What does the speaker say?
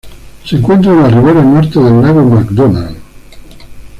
Se encuentra en la ribera norte del Lago McDonald.